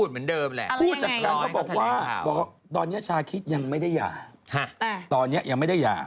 มันไม่หยุดยัง